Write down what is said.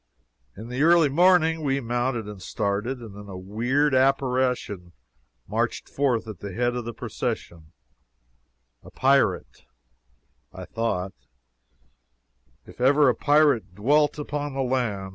In the early morning we mounted and started. And then a weird apparition marched forth at the head of the procession a pirate, I thought, if ever a pirate dwelt upon land.